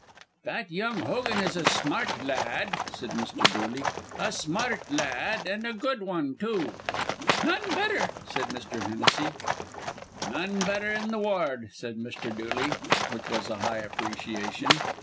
"That young Hogan is a smart la ad," said Mr. Dooley. "A smart la ad an' a good wan, too." "None betther," said Mr. Hennessy. "None betther in th' ward," said Mr. Dooley, which was a high appreciation.